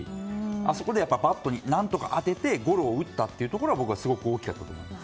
そこでバットに何とか当ててゴロを打ったということがすごく大きかったと思います。